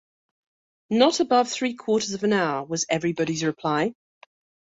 ‘Not above three-quarters of an hour,’ was everybody’s reply.